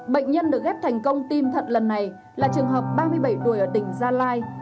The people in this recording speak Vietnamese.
bệnh nhân được ghép thành công tim thận lần này là trường hợp ba mươi bảy tuổi ở tỉnh gia lai